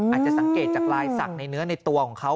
อาจจะสังเกตจากลายสักในตัวของเขา